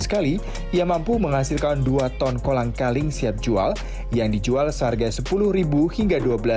sekali ia mampu menghasilkan dua ton kolang kaling siap jual yang dijual seharga sepuluh hingga dua belas